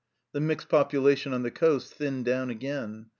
The mixed population on the coast thinned down again.